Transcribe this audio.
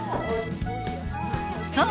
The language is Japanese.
そう！